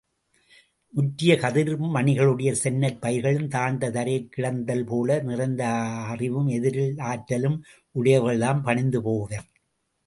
முற்றிய கதிர்மணிகளுடைய செந்நெற் பயிர்கள் தாழ்ந்து தரையிற் கிடத்தல்போல, நிறைந்த அறிவும் எதிரில் ஆற்றலும் உடையவர்கள்தாம் பணிந்துபோவர்.